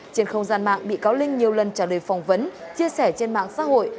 trên không gian mạng bị cáo linh nhiều lần trả lời phỏng vấn chia sẻ trên mạng xã hội